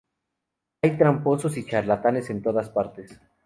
Hay tramposos y charlatanes en todas partes.